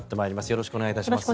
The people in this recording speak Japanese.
よろしくお願いします。